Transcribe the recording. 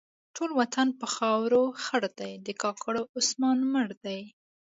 ټول وطن په خاورو خړ دی؛ د کاکړو عثمان مړ دی.